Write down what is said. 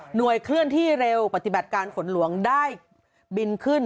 เคลื่อนที่เร็วปฏิบัติการฝนหลวงได้บินขึ้น